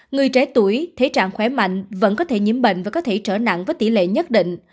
người trẻ tuổi thế trạng khỏe mạnh vẫn có thể nhiễm bệnh và có thể trở nặng với tỷ lệ nhất định